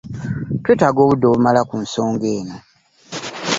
Twetaaga obudde obumala ku nsonga eno.